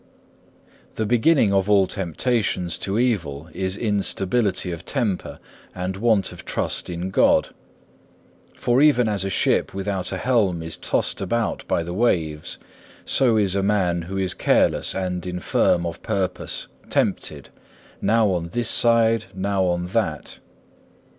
5. The beginning of all temptations to evil is instability of temper and want of trust in God; for even as a ship without a helm is tossed about by the waves, so is a man who is careless and infirm of purpose tempted, now on this side, now on that.